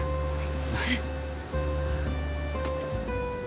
はい。